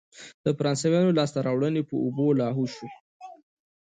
د فرانسویانو لاسته راوړنې په اوبو لاهو شوې.